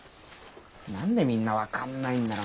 何でみんな分かんないんだろ。